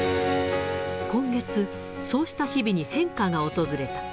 今月、そうした日々に変化が訪れた。